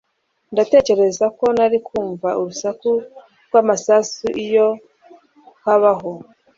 Ndatekereza ko nari kumva urusaku rw'amasasu iyo habaho